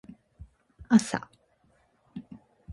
朝